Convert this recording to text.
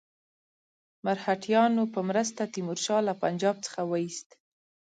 مرهټیانو په مرسته تیمور شاه له پنجاب څخه وایست.